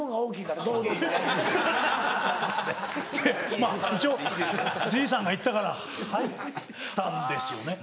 まぁ一応じいさんが言ったから入ったんですよね。